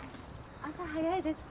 朝早いですね。